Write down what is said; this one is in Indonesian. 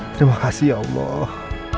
terima kasih ya allah